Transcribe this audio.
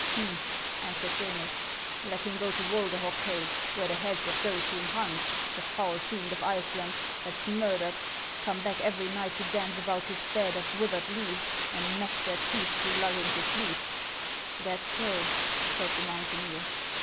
" Hum !" answered Jonas. " Let him go to "\Vulderhog cave, where the heads of those whom Hans, the foul fiend of Iceland, has murdered, come back every night to dance about his bed of withered leaves, and gnash their teeth to lull him to sleep." " That 's so,'' said the mountaineer.